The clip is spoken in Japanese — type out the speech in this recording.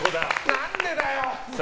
何でだよ！